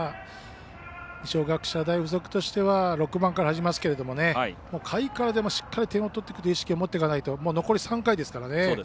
二松学舎大付属としては６番からになりますけど下位からでもしっかりと点を取ってくる意識を持っていかないと残り３回ですからね。